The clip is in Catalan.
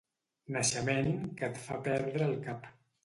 Naixement que et fa perdre el cap.